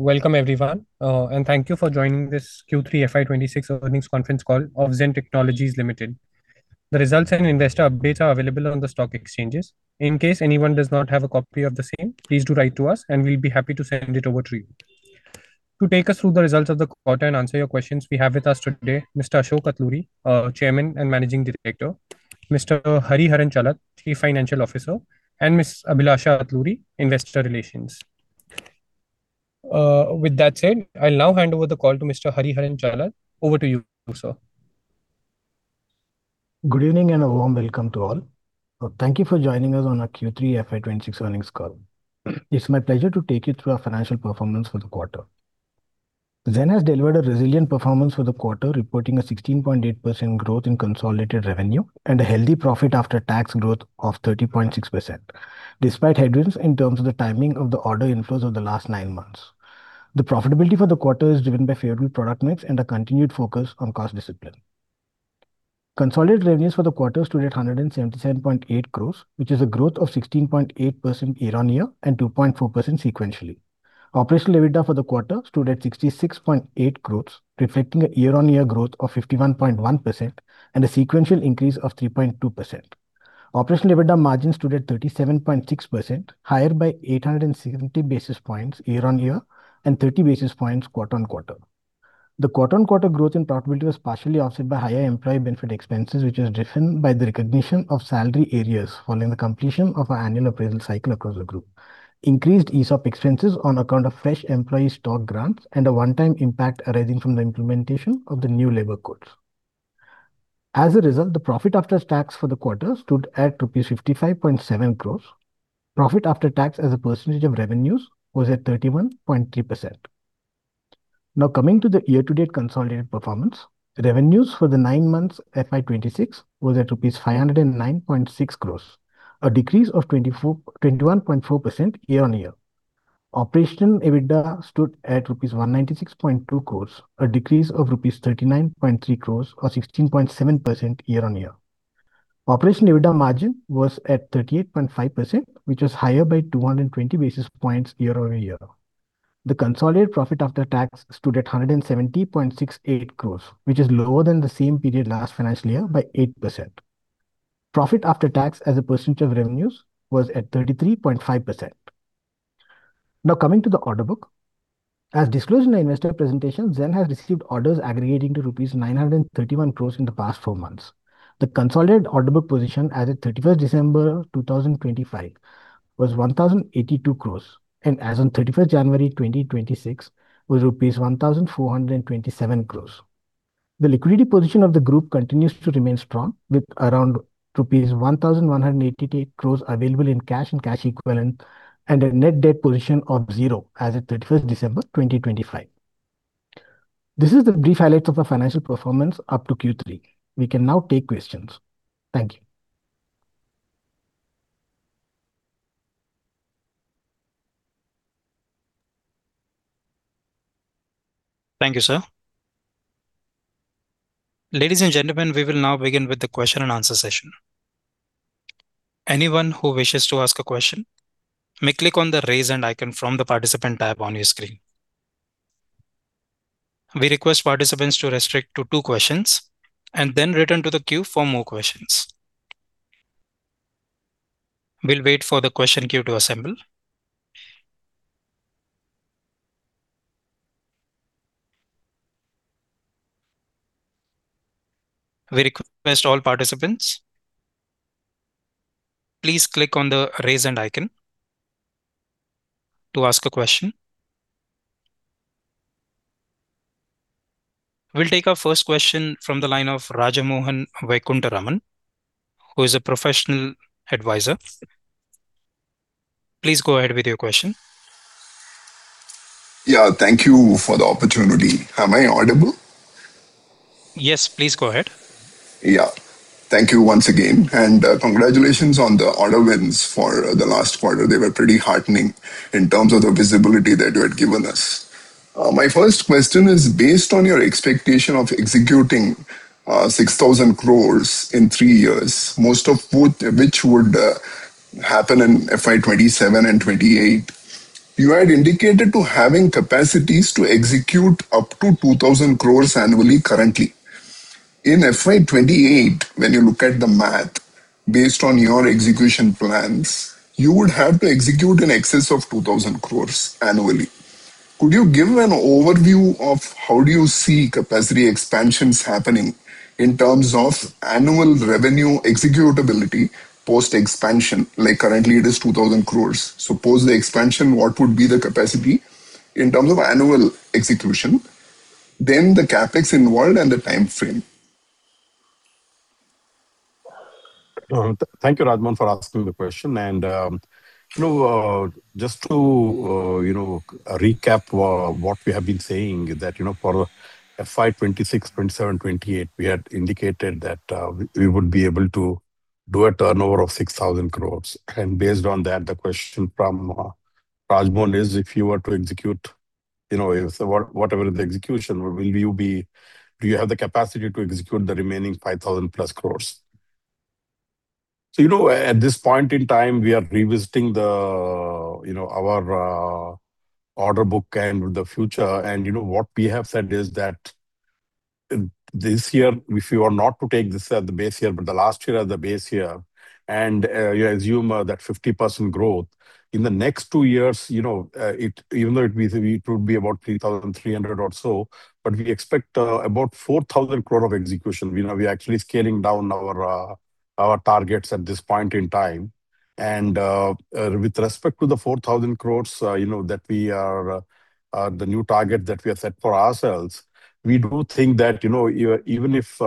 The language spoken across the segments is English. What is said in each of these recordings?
Welcome everyone, and thank you for joining this Q3 FY 2026 Earnings Conference Call of Zen Technologies Limited. The results and investor updates are available on the stock exchanges. In case anyone does not have a copy of the same, please do write to us, and we'll be happy to send it over to you. To take us through the results of the quarter and answer your questions, we have with us today Mr. Ashok Atluri, Chairman and Managing Director, Mr. Hariharan M. M., Chief Financial Officer, and Ms. Abhilasha Atluri, Investor Relations. With that said, I'll now hand over the call to Mr. Hariharan M. M. Over to you, sir. Good evening and a warm welcome to all. Thank you for joining us on our Q3 FY 2026 Earnings Call. It's my pleasure to take you through our financial performance for the quarter. Zen has delivered a resilient performance for the quarter, reporting a 16.8% growth in consolidated revenue and a healthy profit after tax growth of 30.6%, despite headwinds in terms of the timing of the order inflows of the last 9 months. The profitability for the quarter is driven by favorable product mix and a continued focus on cost discipline. Consolidated revenues for the quarter stood at 177.8 crores, which is a growth of 16.8% year-on-year and 2.4% sequentially. Operational EBITDA for the quarter stood at 66.8 crores, reflecting a year-on-year growth of 51.1% and a sequential increase of 3.2%. Operational EBITDA margin stood at 37.6%, higher by 870 basis points year-on-year and 30 basis points quarter-on-quarter. The quarter-on-quarter growth in profitability was partially offset by higher employee benefit expenses, which was driven by the recognition of salary arrears following the completion of our annual appraisal cycle across the group, increased ESOP expenses on account of fresh employee stock grants, and a one-time impact arising from the implementation of the new labor codes. As a result, the profit after tax for the quarter stood at rupees 55.7 crores. Profit after tax as a percentage of revenues was at 31.3%. Now, coming to the year-to-date consolidated performance, revenues for the 9 months FY 2026 was at INR 509.6 crores, a decrease of 21.4% year-on-year. Operational EBITDA stood at INR 196.2 crores, a decrease of INR 39.3 crores or 16.7% year-on-year. Operational EBITDA margin was at 38.5%, which was higher by 220 basis points year-over-year. The consolidated profit after tax stood at 170.68 crores, which is lower than the same period last financial year by 8%. Profit after tax as a percentage of revenues was at 33.5%. Now, coming to the order book. As disclosed in our investor presentation, Zen has received orders aggregating to rupees 931 crores in the past 4 months. The consolidated order book position as of 31 December 2025 was 1,082 crores, and as of 31 January 2026 was 1,427 crores. The liquidity position of the group continues to remain strong, with around rupees 1,188 crores available in cash and cash equivalent, and a net debt position of zero as of 31 December 2025. This is the brief highlights of our financial performance up to Q3. We can now take questions. Thank you. Thank you, sir. Ladies and gentlemen, we will now begin with the question-and-answer session. Anyone who wishes to ask a question, may click on the "Raise an Icon" from the "Participant" tab on your screen. We request participants to restrict to two questions and then return to the queue for more questions. We'll wait for the question queue to assemble. We request all participants. Please click on the "Raise an Icon" to ask a question. We'll take our first question from the line of Rajamohan Vaikuntaraman, who is a professional advisor. Please go ahead with your question. Yeah, thank you for the opportunity. Am I audible? Yes, please go ahead. Yeah, thank you once again, and congratulations on the order wins for the last quarter. They were pretty heartening in terms of the visibility that you had given us. My first question is based on your expectation of executing 6,000 crores in three years, most of which would happen in FY 2027 and FY 2028. You had indicated having capacities to execute up to 2,000 crores annually currently. In FY 2028, when you look at the math based on your execution plans, you would have to execute in excess of 2,000 crores annually. Could you give an overview of how do you see capacity expansions happening in terms of annual revenue executability post-expansion? Like, currently it is 2,000 crores. Suppose the expansion, what would be the capacity in terms of annual execution, then the CapEx involved, and the time frame? Thank you, Rajamohan, for asking the question. Just to recap what we have been saying, that for FY 2026, FY 2027, FY 2028, we had indicated that we would be able to do a turnover of 6,000 crore. And based on that, the question from Rajmond is, if you were to execute whatever the execution, will you be do you have the capacity to execute the remaining 5,000+ crore? So, at this point in time, we are revisiting our order book and the future. And what we have said is that this year, if you are not to take this as the base year, but the last year as the base year, and assume that 50% growth, in the next two years, even though it would be about 3,300 crore or so, but we expect about 4,000 crore of execution. We are actually scaling down our targets at this point in time. With respect to the 4,000 crore that we are the new target that we have set for ourselves, we do think that even if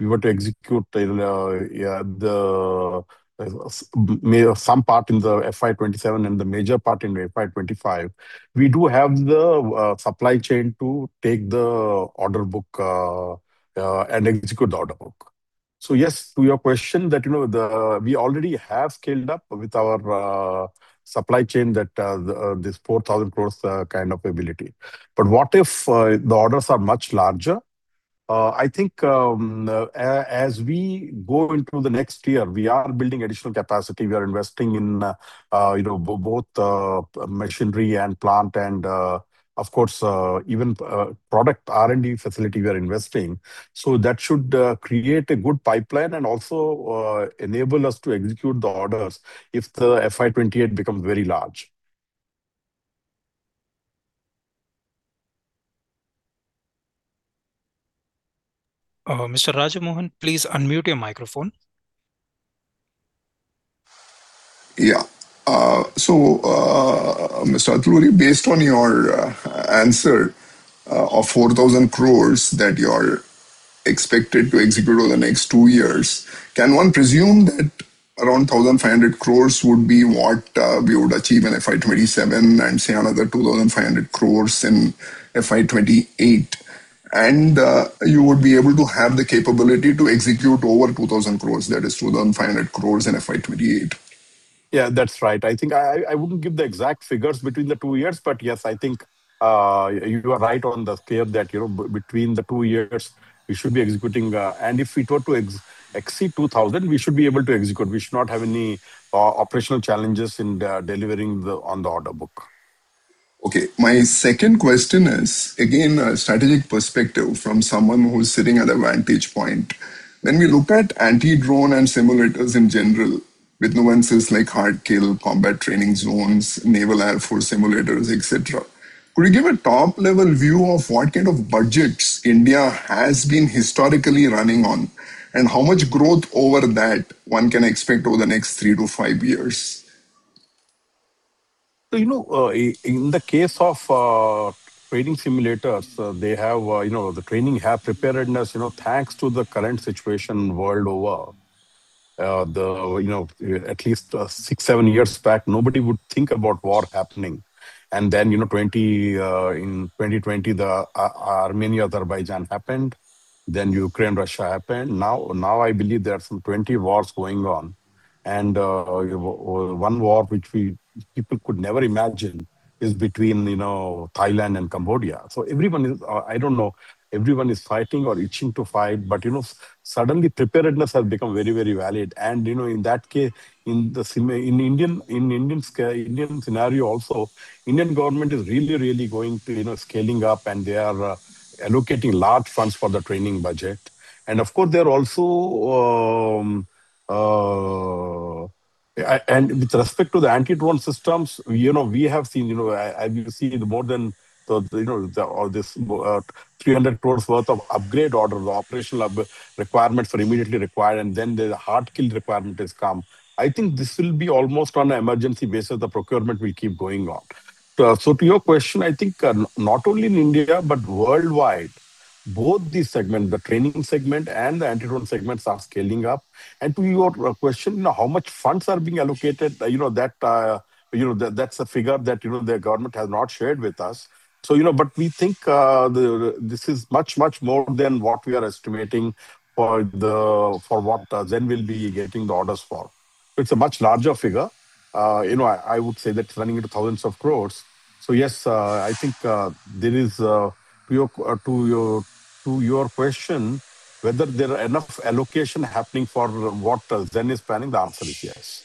we were to execute some part in the FY 2027 and the major part in FY 2025, we do have the supply chain to take the order book and execute the order book. So, yes, to your question, that we already have scaled up with our supply chain this 4,000 crore kind of ability. But what if the orders are much larger? I think as we go into the next year, we are building additional capacity. We are investing in both machinery and plant and, of course, even product R&D facility we are investing. So that should create a good pipeline and also enable us to execute the orders if the FY 2028 becomes very large. Mr. Rajamohan, please unmute your microphone. Yeah. So, Mr. Atluri, based on your answer of 4,000 crore that you are expected to execute over the next two years, can one presume that around 1,500 crore would be what we would achieve in FY 2027 and, say, another 2,500 crore in FY 2028, and you would be able to have the capability to execute over 2,000 crore, that is, 2,500 crore in FY 2028? Yeah, that's right. I think I wouldn't give the exact figures between the two years, but yes, I think you are right on the scale that between the two years we should be executing. If we were to exceed 2,000, we should be able to execute. We should not have any operational challenges in delivering on the order book. Okay. My second question is, again, a strategic perspective from someone who's sitting at a vantage point. When we look at anti-drone and simulators in general, with nuances like hard kill, combat training zones, naval air force simulators, etc., could you give a top-level view of what kind of budgets India has been historically running on and how much growth over that one can expect over the next 3-five years? So, in the case of training simulators, the training has preparedness. Thanks to the current situation world over, at least six-seven years back, nobody would think about war happening. And then in 2020, the Armenia-Azerbaijan happened, then Ukraine-Russia happened. Now I believe there are some 20 wars going on. And one war which people could never imagine is between Thailand and Cambodia. So I don't know, everyone is fighting or itching to fight, but suddenly preparedness has become very, very valid. And in that case, in the Indian scenario also, the Indian government is really, really scaling up, and they are allocating large funds for the training budget. And of course, they are also, and with respect to the anti-drone systems, we have seen, as you see, more than all this 300 crores worth of upgrade orders, the operational requirements are immediately required, and then the hard kill requirement has come. I think this will be almost on an emergency basis. The procurement will keep going on. So to your question, I think not only in India but worldwide, both these segments, the training segment and the anti-drone segments, are scaling up. And to your question, how much funds are being allocated, that's a figure that the government has not shared with us. But we think this is much, much more than what we are estimating for what Zen will be getting the orders for. It's a much larger figure. I would say that it's running into thousands of crores. So yes, I think there is to your question whether there are enough allocations happening for what Zen is planning. The answer is yes.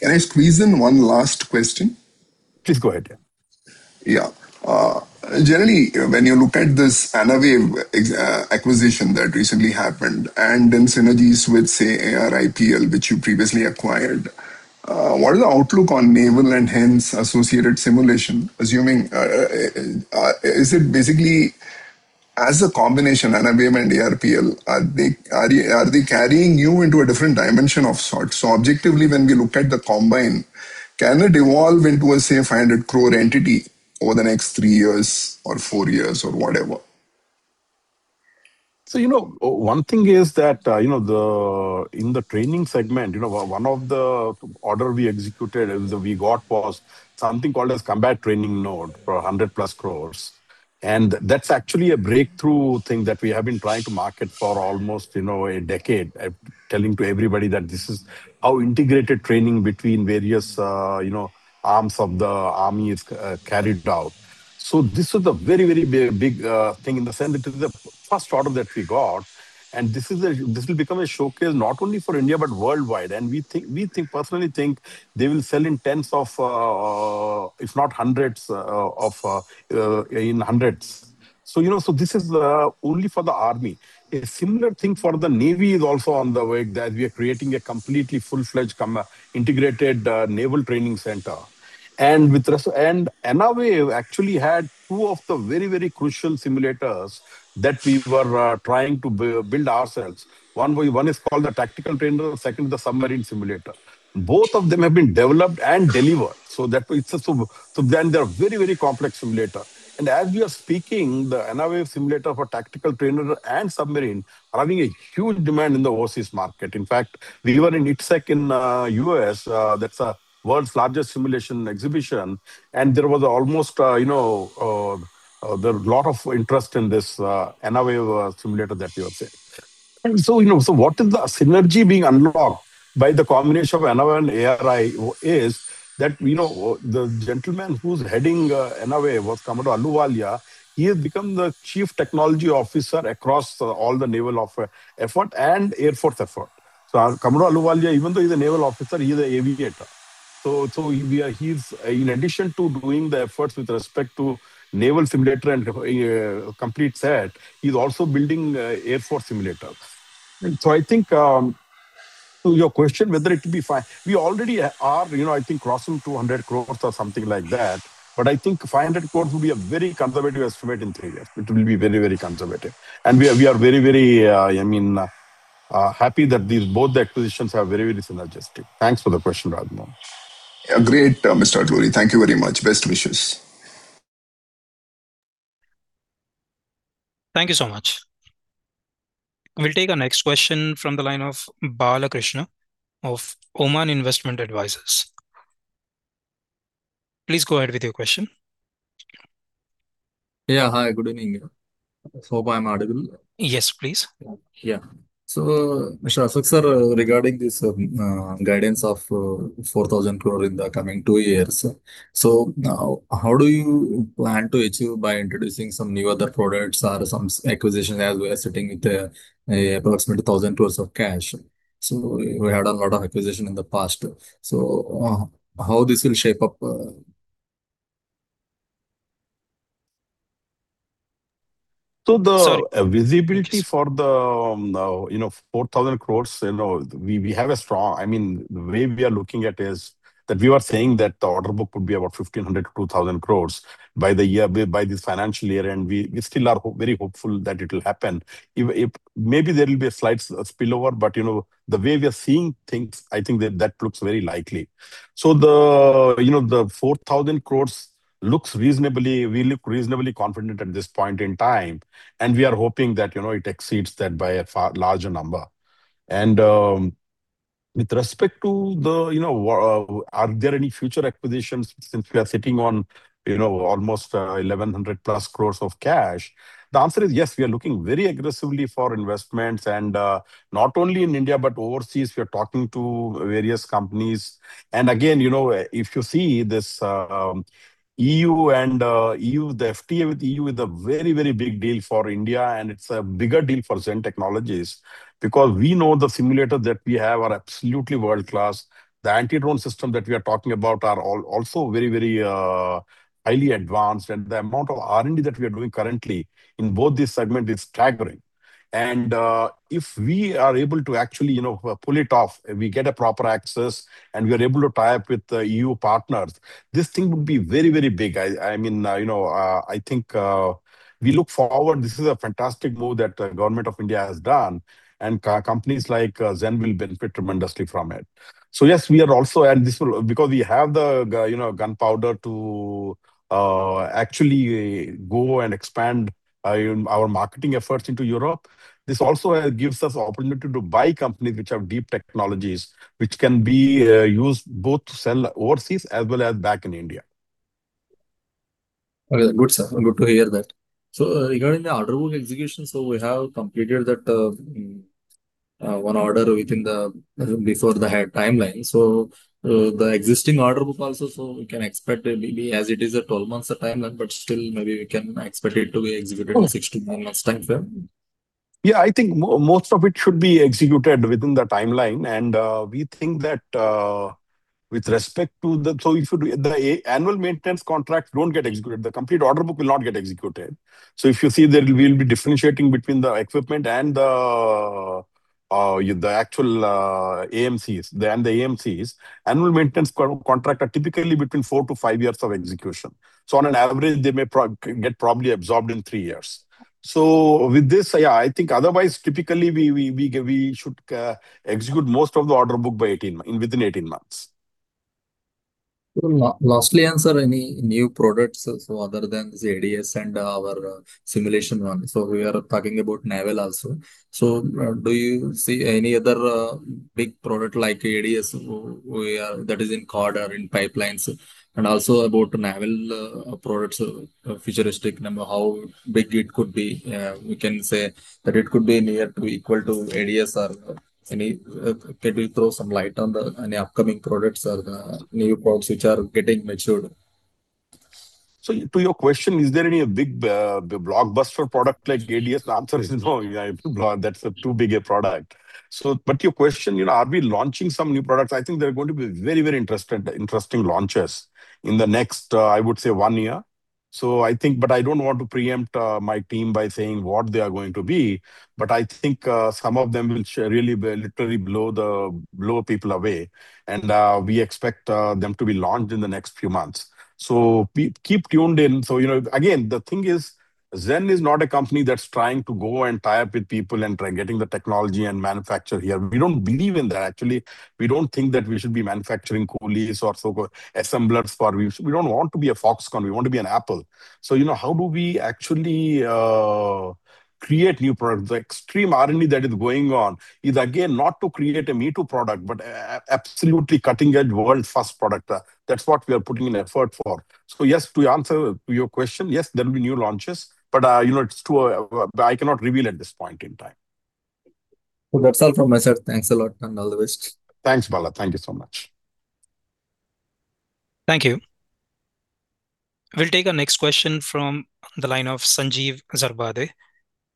Can I squeeze in one last question? Please go ahead, yeah. Yeah. Generally, when you look at this Anawave acquisition that recently happened and in synergies with, say, ARIPL, which you previously acquired, what is the outlook on naval and hence associated simulation? Is it basically as a combination, Anawave and ARIPL, are they carrying you into a different dimension of sorts? So objectively, when we look at the combine, can it evolve into a, say, 500 crore entity over the next three years or four years or whatever? So one thing is that in the training segment, one of the orders we executed, we got, was something called a combat training node for 100+ crores. And that's actually a breakthrough thing that we have been trying to market for almost a decade, telling to everybody that this is how integrated training between various arms of the army is carried out. So this was a very, very big thing in the sense it is the first order that we got. And this will become a showcase not only for India but worldwide. And we personally think they will sell in tens of, if not hundreds, in hundreds. So this is only for the army. A similar thing for the Navy is also on the way that we are creating a completely full-fledged integrated naval training center. Anawave actually had two of the very, very crucial simulators that we were trying to build ourselves. One is called the tactical trainer, the second is the submarine simulator. Both of them have been developed and delivered. So then they are a very, very complex simulator. As we are speaking, the Anawave simulator for tactical trainer and submarine are having a huge demand in the overseas market. In fact, we were in I/ITSEC in the U.S. That's the world's largest simulation exhibition. And there was almost a lot of interest in this Anawave simulator that you were saying. So what is the synergy being unlocked by the combination of Anawave and ARI is that the gentleman who's heading Anawave was Commodore Aluwalia. He has become the Chief Technology Officer across all the naval effort and air force effort. So Sarvjit Aluwalia, even though he's a naval officer, he's an aviator. So in addition to doing the efforts with respect to the naval simulator and complete set, he's also building air force simulators. So I think to your question whether it will be fine, we already are, I think, crossing 200 crores or something like that. But I think 500 crores would be a very conservative estimate in three years. It will be very, very conservative. And we are very, very happy that both the acquisitions are very, very synergistic. Thanks for the question, Rajamohan. Great, Mr. Atluri. Thank you very much. Best wishes. Thank you so much. We'll take our next question from the line of Balakrishna Piparaiya of Oman India Joint Investment Fund. Please go ahead with your question. Yeah, hi. Good evening. Hope I'm audible. Yes, please. Yeah. So, Mr. Ashok sir, regarding this guidance of 4,000 crore in the coming two years, so how do you plan to achieve by introducing some new other products or some acquisitions as we are sitting with approximately 1,000 crores of cash? So we had a lot of acquisition in the past. So how this will shape up? So the visibility for the 4,000 crore, we have a strong I mean, the way we are looking at is that we were saying that the order book would be about 1,500-2,000 crore by this financial year. And we still are very hopeful that it will happen. Maybe there will be a slight spillover, but the way we are seeing things, I think that looks very likely. So the 4,000 crore looks reasonably we look reasonably confident at this point in time. And we are hoping that it exceeds that by a larger number. And with respect to are there any future acquisitions since we are sitting on almost 1,100+ crore of cash? The answer is yes, we are looking very aggressively for investments. And not only in India but overseas, we are talking to various companies. Again, if you see this EU and the FTA with the EU is a very, very big deal for India. It's a bigger deal for Zen Technologies because we know the simulators that we have are absolutely world-class. The anti-drone systems that we are talking about are also very, very highly advanced. The amount of R&D that we are doing currently in both these segments is staggering. If we are able to actually pull it off, we get proper access, and we are able to tie up with the EU partners, this thing would be very, very big. I mean, I think we look forward. This is a fantastic move that the government of India has done. Companies like Zen will benefit tremendously from it. So yes, we are also and because we have the gunpowder to actually go and expand our marketing efforts into Europe, this also gives us the opportunity to buy companies which have deep technologies, which can be used both to sell overseas as well as back in India. Good, sir. Good to hear that. So regarding the order book execution, so we have completed one order before the timeline. So the existing order book also, so we can expect maybe as it is a 12-month timeline, but still maybe we can expect it to be executed in 6-9 months' timeframe? Yeah, I think most of it should be executed within the timeline. And we think that with respect to the so if the annual maintenance contracts don't get executed, the complete order book will not get executed. So if you see there will be differentiating between the equipment and the actual AMCs, the annual maintenance contract are typically between 4-five years of execution. So on an average, they may get probably absorbed in three years. So with this, yeah, I think otherwise, typically, we should execute most of the order book within 18 months. Lastly, on any new products other than this ADS and our simulation one. So we are talking about naval also. So do you see any other big product like ADS that is in queue or in pipeline? And also about naval products, futuristic, how big it could be? We can say that it could be near to equal to ADS or can you throw some light on any upcoming products or new products which are getting matured? So to your question, is there any big blockbuster product like ADS? The answer is no. That's too big a product. But your question, are we launching some new products? I think there are going to be very, very interesting launches in the next, I would say, one year. But I don't want to preempt my team by saying what they are going to be. But I think some of them will really literally blow people away. And we expect them to be launched in the next few months. So keep tuned in. So again, the thing is, Zen is not a company that's trying to go and tie up with people and try and getting the technology and manufacture here. We don't believe in that, actually. We don't think that we should be manufacturing coolies or so-called assemblers. We don't want to be a Foxconn. We want to be an Apple. So how do we actually create new products? The extreme R&D that is going on is, again, not to create a me-too product, but absolutely cutting-edge, world-first product. That's what we are putting an effort for. So yes, to answer your question, yes, there will be new launches. But I cannot reveal at this point in time. So that's all from me, sir. Thanks a lot and all the best. Thanks, Bala. Thank you so much. Thank you. We'll take our next question from the line of Sanjeev Zarbade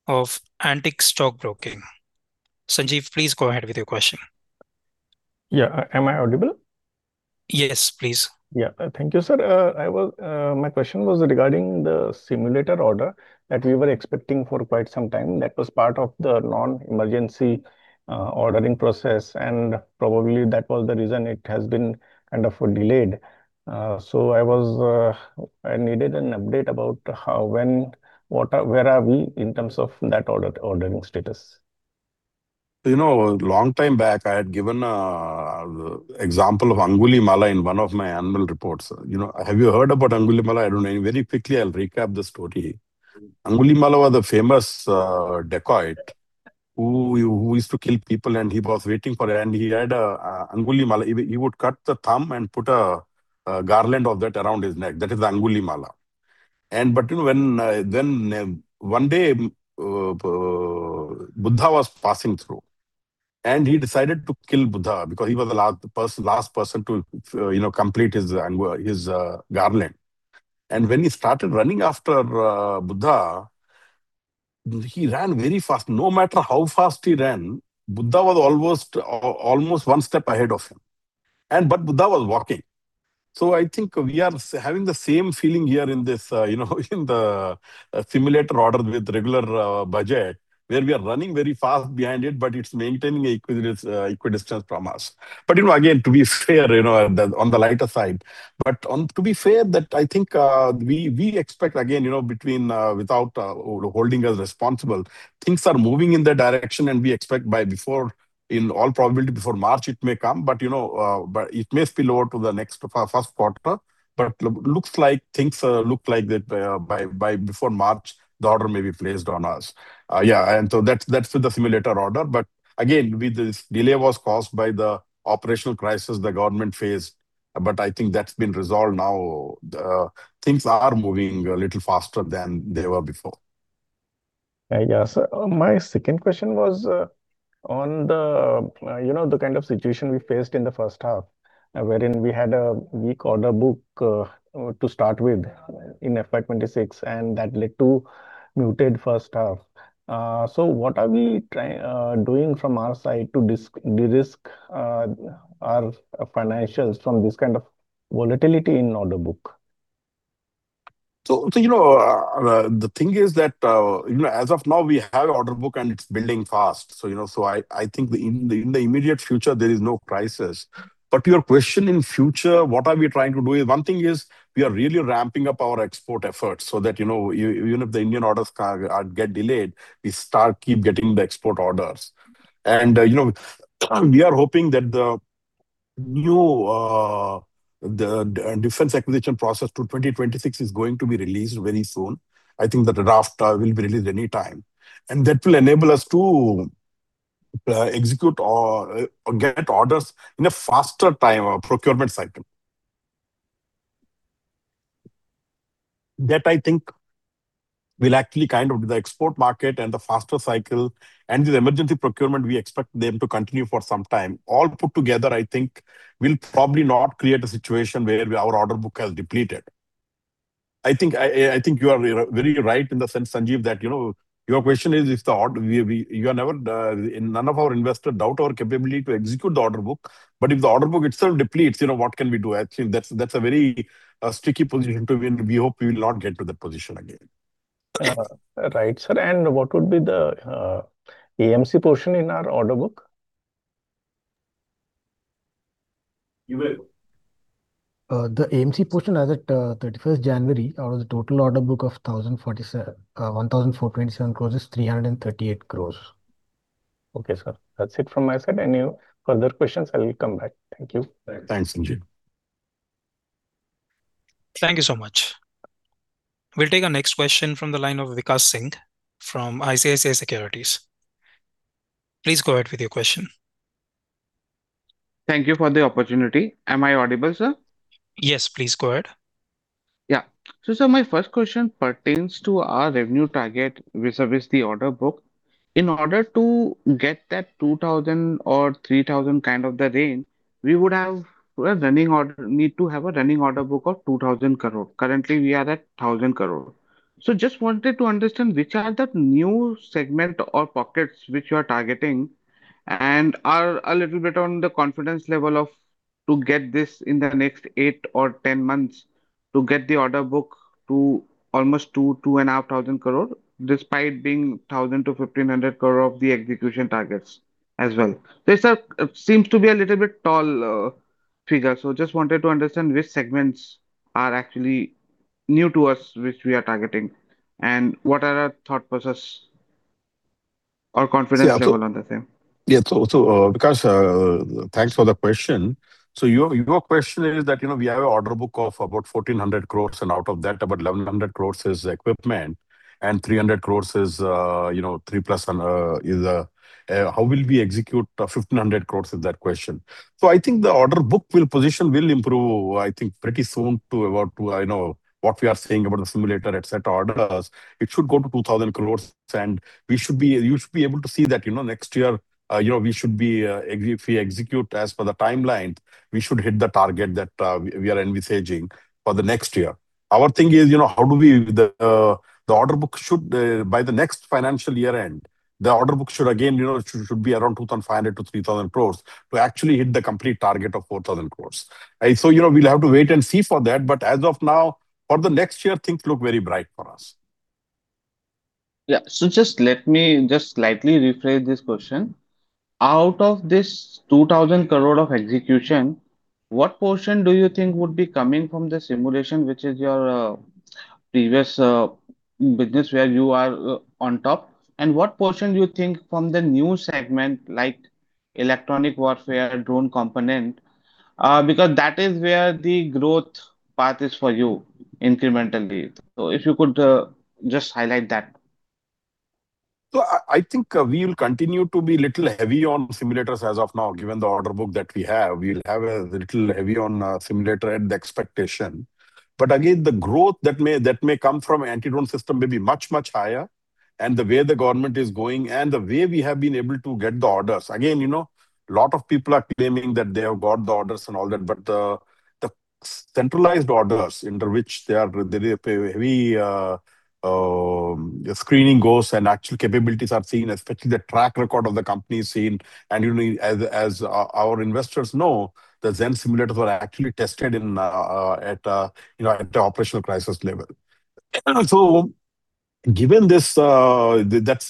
of Antique Stock Broking. Sanjeev, please go ahead with your question. Yeah. Am I audible? Yes, please. Yeah. Thank you, sir. My question was regarding the simulator order that we were expecting for quite some time. That was part of the non-emergency ordering process. And probably that was the reason it has been kind of delayed. So I needed an update about where are we in terms of that ordering status? A long time back, I had given an example of Angulimala in one of my annual reports. Have you heard about Angulimala? I don't know. Very quickly, I'll recap the story. Angulimala was a famous dacoit who used to kill people. He was waiting for it. He had an Angulimala. He would cut the thumb and put a garland of that around his neck. That is the Angulimala. One day, Buddha was passing through. He decided to kill Buddha because he was the last person to complete his garland. When he started running after Buddha, he ran very fast. No matter how fast he ran, Buddha was almost one step ahead of him. But Buddha was walking. So I think we are having the same feeling here in the simulator order with regular budget, where we are running very fast behind it, but it's maintaining equidistance from us. But again, to be fair, on the lighter side. But to be fair, I think we expect, again, without holding us responsible, things are moving in that direction. And we expect by all probability, before March, it may come. But it may spill over to the next first quarter. But it looks like things look like that by before March, the order may be placed on us. Yeah. And so that's with the simulator order. But again, this delay was caused by the operational crisis the government faced. But I think that's been resolved now. Things are moving a little faster than they were before. Yeah. My second question was on the kind of situation we faced in the first half, wherein we had a weak order book to start with in FY 2026. That led to a muted first half. What are we doing from our side to de-risk our financials from this kind of volatility in the order book? So the thing is that as of now, we have an order book. And it's building fast. So I think in the immediate future, there is no crisis. But to your question in future, what are we trying to do is one thing is we are really ramping up our export efforts so that even if the Indian orders get delayed, we keep getting the export orders. And we are hoping that the new defense acquisition process to 2026 is going to be released very soon. I think the draft will be released anytime. And that will enable us to execute or get orders in a faster procurement cycle. That, I think, will actually kind of the export market and the faster cycle and this emergency procurement, we expect them to continue for some time. All put together, I think, will probably not create a situation where our order book has depleted. I think you are very right in the sense, Sanjeev, that your question is if none of our investors doubt our capability to execute the order book. But if the order book itself depletes, what can we do? I think that's a very sticky position to be in. We hope we will not get to that position again. Right, sir. What would be the AMC portion in our order book? The AMC portion as of 31st January, out of the total order book of 1,427 crores, is 338 crores. Okay, sir. That's it from my side. Any further questions, I'll come back. Thank you. Thanks, Sanjeev. Thank you so much. We'll take our next question from the line of Vikas Singh from ICICI Securities. Please go ahead with your question. Thank you for the opportunity. Am I audible, sir? Yes, please go ahead. Yeah. So, sir, my first question pertains to our revenue target vis-à-vis the order book. In order to get that 2,000 or 3,000 kind of the range, we would have a running order need to have a running order book of 2,000 crore. Currently, we are at 1,000 crore. So just wanted to understand which are the new segments or pockets which you are targeting and are a little bit on the confidence level to get this in the next eight or 10 months to get the order book to almost 2,500 crore, despite being 1,000-1,500 crore of the execution targets as well. This, sir, seems to be a little bit tall figure. So just wanted to understand which segments are actually new to us, which we are targeting, and what are our thought process or confidence level on the same? Yeah. So, Vikas, thanks for the question. So your question is that we have an order book of about 1,400 crores. And out of that, about 1,100 crores is equipment. And 300 crores is 3 plus how will we execute 1,500 crores with that question? So I think the order book position will improve, I think, pretty soon to about what we are saying about the simulator, et cetera, orders. It should go to 2,000 crores. And you should be able to see that next year, if we execute as per the timeline we should hit the target that we are envisaging for the next year. Our thing is, how do we the order book should by the next financial year-end, the order book should, again, be around 2,500 crores-3,000 crores to actually hit the complete target of 4,000 crores? So we'll have to wait and see for that. As of now, for the next year, things look very bright for us. Yeah. So just let me just slightly rephrase this question. Out of this 2,000 crore of execution, what portion do you think would be coming from the simulation, which is your previous business where you are on top? And what portion do you think from the new segment like electronic warfare, drone component? Because that is where the growth path is for you incrementally. So if you could just highlight that. So I think we will continue to be a little heavy on simulators as of now, given the order book that we have. We'll have a little heavy on simulator at the expectation. But again, the growth that may come from anti-drone system may be much, much higher. And the way the government is going and the way we have been able to get the orders again, a lot of people are claiming that they have got the orders and all that. But the centralized orders under which there is a heavy screening goes and actual capabilities are seen, especially the track record of the company is seen. And as our investors know, the Zen simulators were actually tested at the operational crisis level. So that's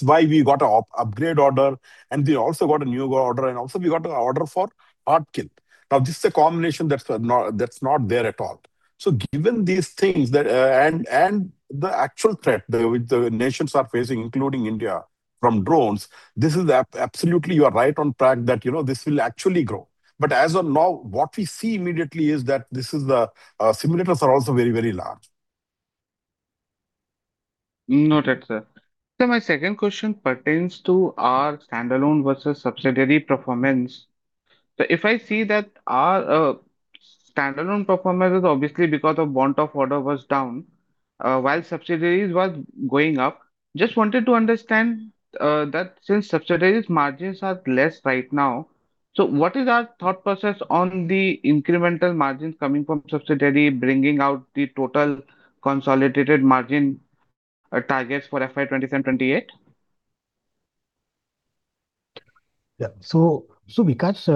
why we got an upgrade order. And we also got a new order. And also, we got an order for Hard Kill. Now, this is a combination that's not there at all. So given these things and the actual threat which the nations are facing, including India, from drones, you are absolutely right on track that this will actually grow. But as of now, what we see immediately is that the simulators are also very, very large. Noted, sir. Sir, my second question pertains to our standalone versus subsidiary performance. So if I see that our standalone performance is obviously because the book of orders was down while subsidiaries were going up, just wanted to understand that since subsidiaries' margins are less right now, so what is our thought process on the incremental margins coming from subsidiary, bringing out the total consolidated margin targets for FY 2027-28? Yeah. So, Vikas,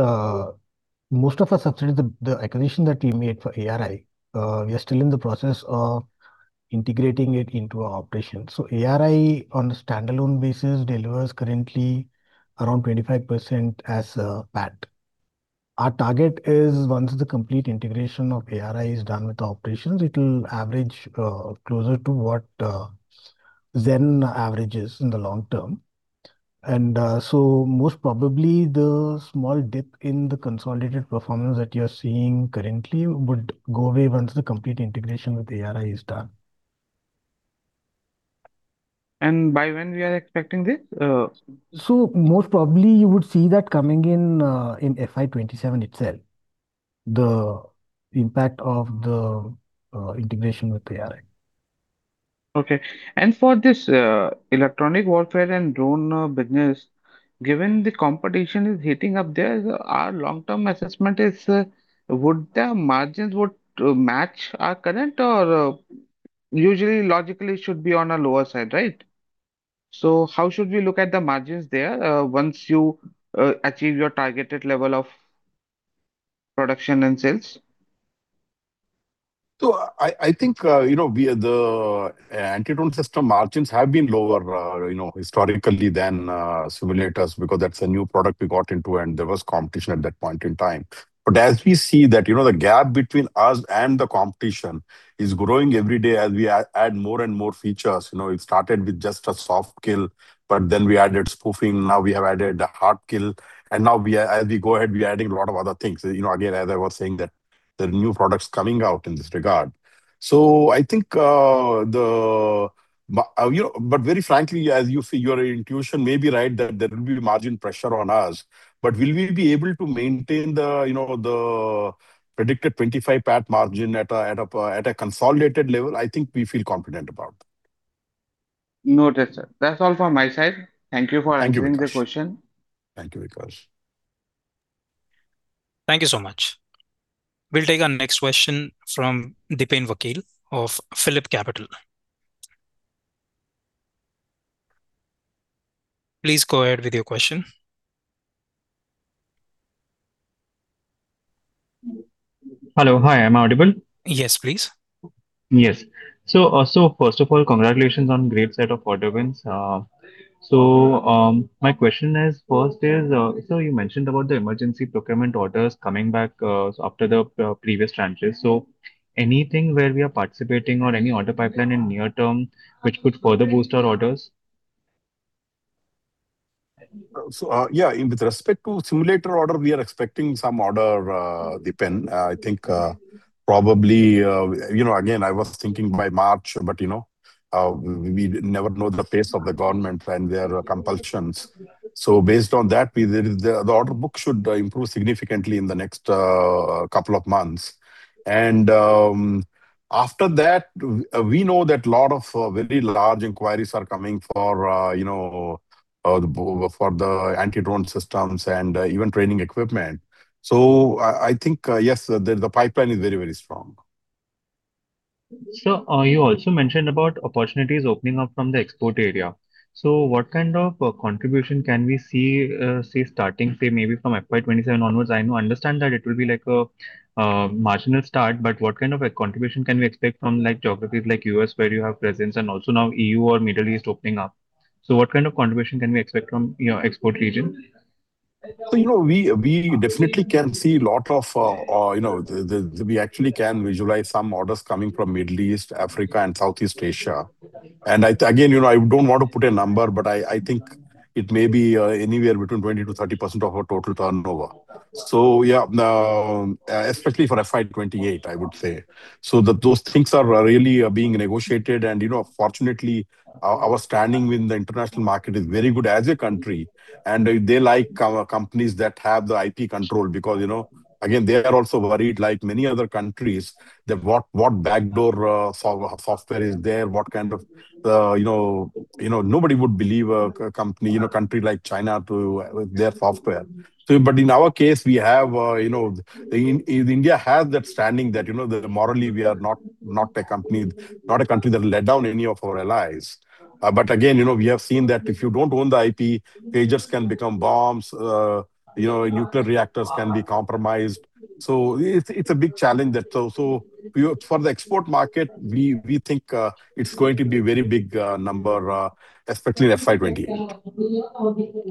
most of our subsidiaries, the acquisition that we made for ARI, we are still in the process of integrating it into our operations. So ARI, on the standalone basis, delivers currently around 25% as PAT. Our target is once the complete integration of ARI is done with the operations, it will average closer to what Zen averages in the long term. And so most probably, the small dip in the consolidated performance that you're seeing currently would go away once the complete integration with ARI is done. By when we are expecting this? So most probably, you would see that coming in FY 2027 itself, the impact of the integration with ARI. Okay. And for this electronic warfare and drone business, given the competition is heating up there, our long-term assessment is, would the margins match our current? Or usually, logically, it should be on the lower side, right? So how should we look at the margins there once you achieve your targeted level of production and sales? So I think the Anti-Drone System margins have been lower historically than simulators because that's a new product we got into. And there was competition at that point in time. But as we see that the gap between us and the competition is growing every day as we add more and more features, it started with just a soft kill. But then we added spoofing. Now, we have added the hard kill. And now, as we go ahead, we are adding a lot of other things, again, as I was saying, that there are new products coming out in this regard. But very frankly, as you see, your intuition may be right that there will be margin pressure on us. But will we be able to maintain the predicted 25% PAT margin at a consolidated level? I think we feel confident about that. Noted, sir. That's all from my side. Thank you for answering the question. Thank you, Vikas. Thank you so much. We'll take our next question from Dipen Vakil of PhillipCapital. Please go ahead with your question. Hello. Hi. Am I audible? Yes, please. Yes. So first of all, congratulations on a great set of order wins. So my question first is, sir, you mentioned about the emergency procurement orders coming back after the previous tranches. So anything where we are participating or any order pipeline in the near term which could further boost our orders? Yeah. With respect to simulator order, we are expecting some order, Dipen. I think probably, again, I was thinking by March. But we never know the pace of the government and their compulsions. So based on that, the order book should improve significantly in the next couple of months. And after that, we know that a lot of very large inquiries are coming for the anti-drone systems and even training equipment. So I think, yes, the pipeline is very, very strong. Sir, you also mentioned about opportunities opening up from the export area. So what kind of contribution can we see starting, say, maybe from FY2027 onwards? I understand that it will be like a marginal start. But what kind of contribution can we expect from geographies like the U.S., where you have presence, and also now E.U. or the Middle East opening up? So what kind of contribution can we expect from your export region? So we definitely can see a lot of. We actually can visualize some orders coming from the Middle East, Africa, and Southeast Asia. And again, I don't want to put a number. But I think it may be anywhere between 20%-30% of our total turnover, especially for FY 2028, I would say. So those things are really being negotiated. And fortunately, our standing within the international market is very good as a country. And they like companies that have the IP control because, again, they are also worried Like many other countries, that what backdoor software is there, what kind of nobody would believe a country like China with their software. But in our case, India has that standing that morally, we are not a country that let down any of our allies. But again, we have seen that if you don't own the IP, pagers can become bombs. Nuclear reactors can be compromised. So it's a big challenge. So for the export market, we think it's going to be a very big number, especially in FY 2028.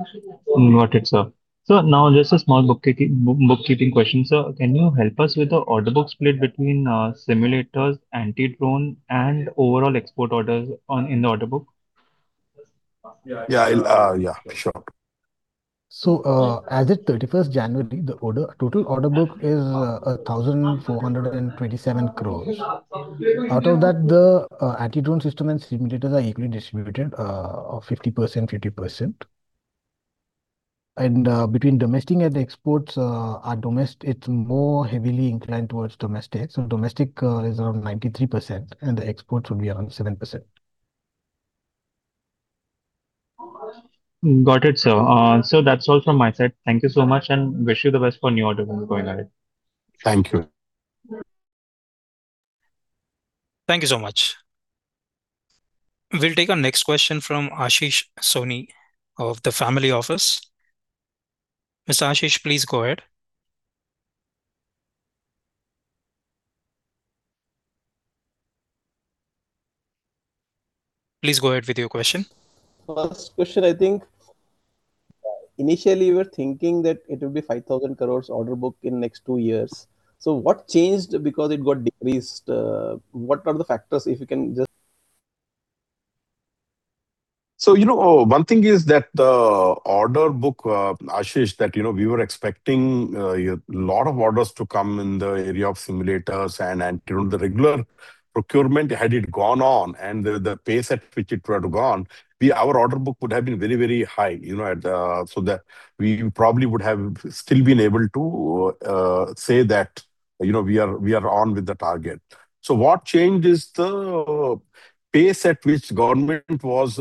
Noted, sir. So now, just a small bookkeeping question. Sir, can you help us with the order book split between simulators, anti-drone, and overall export orders in the order book? Yeah, sure. So as of 31st January, the total order book is 1,427 crores. Out of that, the anti-drone system and simulators are equally distributed of 50%, 50%. And between domestic and exports, it's more heavily inclined towards domestic. So domestic is around 93%. And the exports would be around 7%. Got it, sir. So that's all from my side. Thank you so much. Wish you the best for new orders going ahead. Thank you. Thank you so much. We'll take our next question from Ashish Soni of the Family Office. Mr. Ashish, please go ahead. Please go ahead with your question. First question, I think. Initially, we were thinking that it would be a 5,000 crores order book in the next two years. So what changed because it got decreased? What are the factors, if you can just? So one thing is that the order book, Ashish, that we were expecting a lot of orders to come in the area of simulators and anti-drone. The regular procurement had gone on. And the pace at which it had gone, our order book would have been very, very high. So we probably would have still been able to say that we are on with the target. So what changed is the pace at which the government was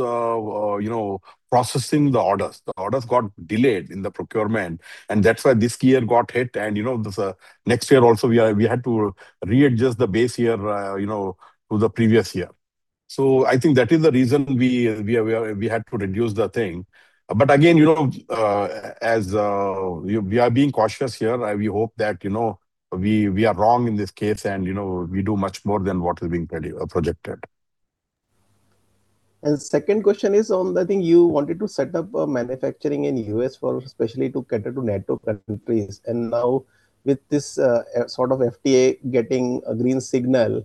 processing the orders. The orders got delayed in the procurement. And that's why this year got hit. And next year, also, we had to readjust the base year to the previous year. So I think that is the reason we had to reduce the thing. But again, as we are being cautious here, we hope that we are wrong in this case. And we do much more than what is being projected. And the second question is on, I think, you wanted to set up manufacturing in the U.S., especially to cater to NATO countries. And now, with this sort of FTA getting a green signal,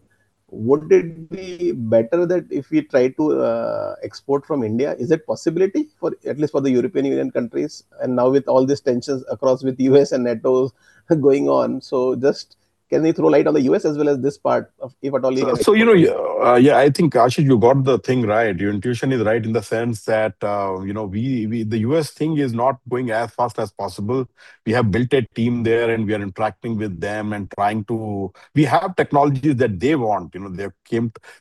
would it be better that if we try to export from India, is it a possibility, at least for the European Union countries? And now, with all these tensions across with the U.S. and NATO going on, so just can we throw light on the U.S. as well as this part, if at all you can? So yeah, I think, Ashish, you got the thing right. Your intuition is right in the sense that the U.S. thing is not going as fast as possible. We have built a team there. And we are interacting with them and trying to we have technologies that they want.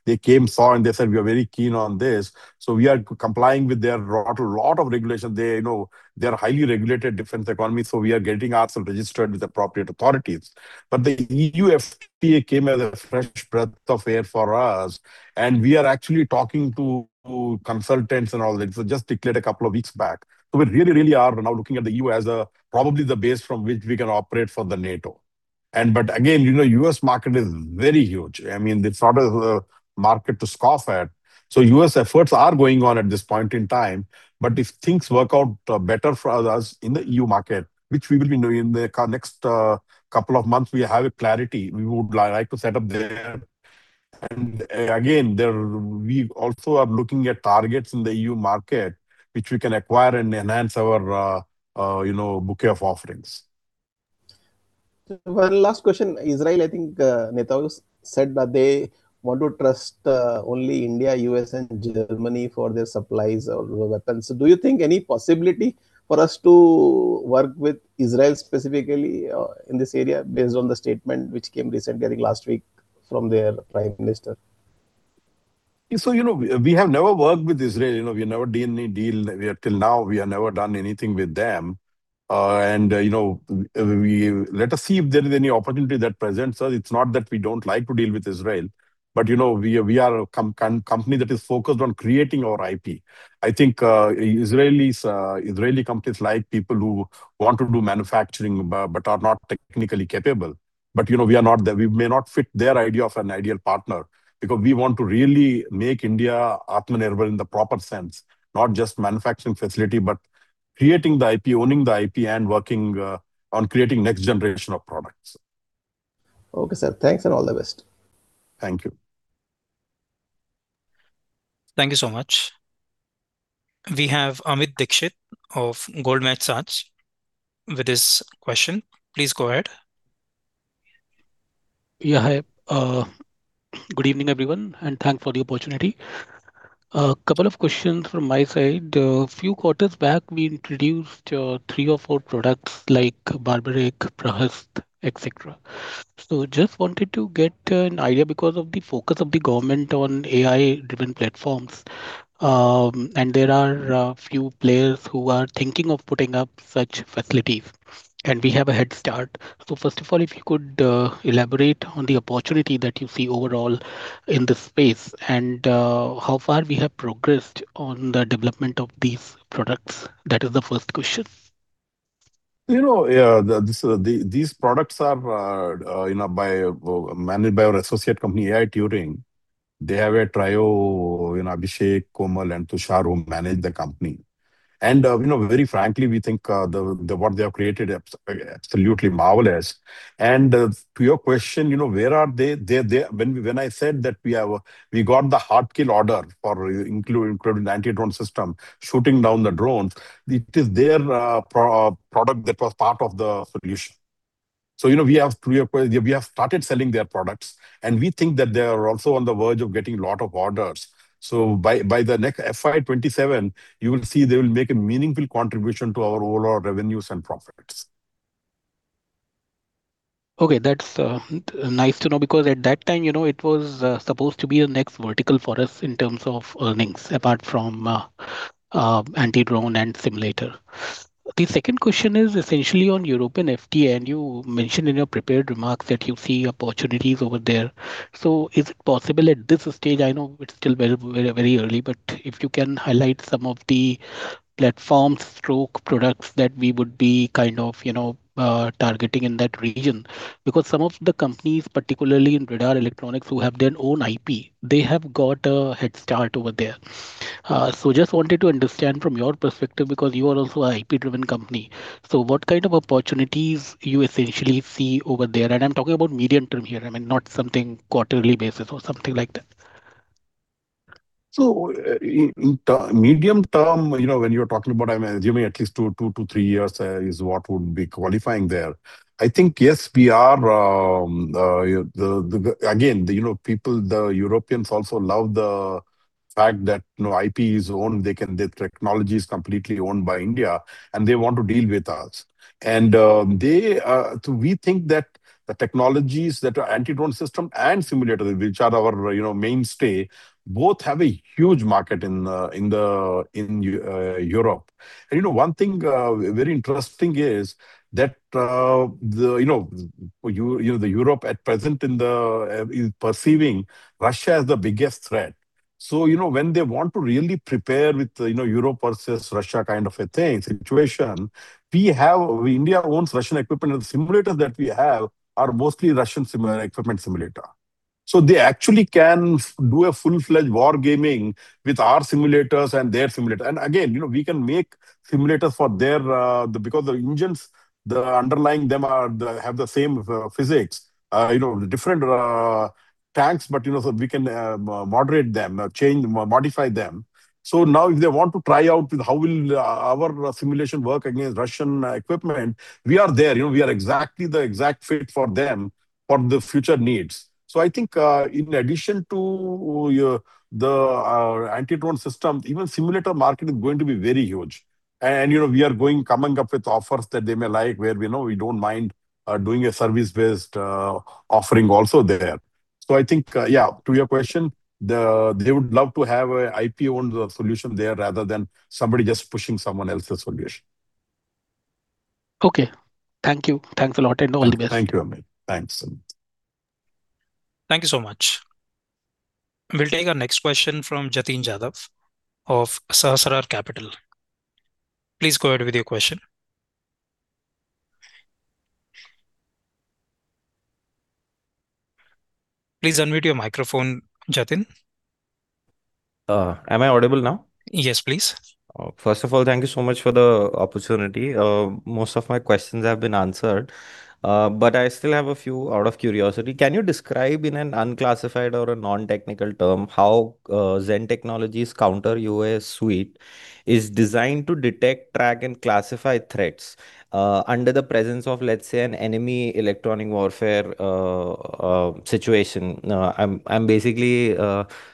They came, saw, and they said, "We are very keen on this." So we are complying with a lot of regulation. They are a highly regulated defense economy. So we are getting ours registered with the appropriate authorities. But the EU FTA came as a fresh breath of air for us. And we are actually talking to consultants and all that. It was just declared a couple of weeks back. So we really, really are now looking at the EU as probably the base from which we can operate for the NATO. But again, the U.S. market is very huge. I mean, it's not a market to scoff at. So U.S. efforts are going on at this point in time. But if things work out better for us in the E.U. market, which we will be in the next couple of months, we have clarity. We would like to set up there. And again, we also are looking at targets in the E.U. market which we can acquire and enhance our bouquet of offerings. One last question. Israel, I think, Netanyahu said that they want to trust only India, U.S., and Germany for their supplies or weapons. Do you think there is any possibility for us to work with Israel specifically in this area based on the statement which came recently, I think, last week from their Prime Minister? So we have never worked with Israel. We have never done any deal. Until now, we have never done anything with them. Let us see if there is any opportunity that presents. It's not that we don't like to deal with Israel. We are a company that is focused on creating our IP. I think Israeli companies like people who want to do manufacturing but are not technically capable. We may not fit their idea of an ideal partner because we want to really make India Atmanirbhar in the proper sense, not just manufacturing facility but creating the IP, owning the IP, and working on creating the next generation of products. Okay, sir. Thanks and all the best. Thank you. Thank you so much. We have Amit Dixit of Goldman Sachs with his question. Please go ahead. Yeah. Hi. Good evening, everyone. And thanks for the opportunity. A couple of questions from my side. A few quarters back, we introduced three or four products like Barbarik, Prahasta, etc. So just wanted to get an idea because of the focus of the government on AI-driven platforms. And there are a few players who are thinking of putting up such facilities. And we have a head start. So first of all, if you could elaborate on the opportunity that you see overall in this space and how far we have progressed on the development of these products? That is the first question. Yeah. These products are managed by our associate company, AI Turing. They have a trio of Abhishek, Komal, and Tushar who manage the company. Very frankly, we think what they have created is absolutely marvelous. To your question, where are they? When I said that we got the hard kill order for including the anti-drone system, shooting down the drones, it is their product that was part of the solution. So we have started selling their products. We think that they are also on the verge of getting a lot of orders. By the next FY 2027, you will see they will make a meaningful contribution to our overall revenues and profits. Okay. That's nice to know because at that time, it was supposed to be the next vertical for us in terms of earnings apart from anti-drone and simulator. The second question is essentially on European FTA. You mentioned in your prepared remarks that you see opportunities over there. So is it possible at this stage? I know it's still very, very early. But if you can highlight some of the platforms slash products that we would be kind of targeting in that region because some of the companies, particularly in radar electronics, who have their own IP, they have got a head start over there. So I just wanted to understand from your perspective because you are also an IP-driven company. So what kind of opportunities do you essentially see over there? And I'm talking about medium-term here. I mean, not something on a quarterly basis or something like that. So in medium-term, when you're talking about, I'm assuming, at least 2-three years is what would be qualifying there. I think, yes, we are. Again, the Europeans also love the fact that no IP is owned. The technology is completely owned by India. And they want to deal with us. And we think that the technologies that are anti-drone systems and simulators, which are our mainstay, both have a huge market in Europe. And one thing very interesting is that Europe at present is perceiving Russia as the biggest threat. So when they want to really prepare with Europe versus Russia kind of a situation, India owns Russian equipment. And the simulators that we have are mostly Russian equipment simulators. So they actually can do full-fledged war gaming with our simulators and their simulators. And again, we can make simulators for them because the engines underlying them have the same physics, different tanks. But so we can moderate them, modify them. So now, if they want to try out how will our simulation work against Russian equipment, we are there. We are exactly the exact fit for them for the future needs. So I think, in addition to the anti-drone system, even the simulator market is going to be very huge. And we are coming up with offers that they may like, where we don't mind doing a service-based offering also there. So I think, yeah, to your question, they would love to have an IP-owned solution there rather than somebody just pushing someone else's solution. Okay. Thank you. Thanks a lot. All the best. Thank you, Amit. Thanks. Thank you so much. We'll take our next question from Jatin Jadhav of Sahasrar Capital. Please go ahead with your question. Please unmute your microphone, Jatin. Am I audible now? Yes, please. First of all, thank you so much for the opportunity. Most of my questions have been answered. But I still have a few out of curiosity. Can you describe, in an unclassified or a non-technical term, how Zen Technologies' Counter-UA suite is designed to detect, track, and classify threats under the presence of, let's say, an enemy electronic warfare situation? I'm basically